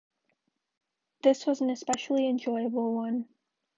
This was an especially enjoyable one.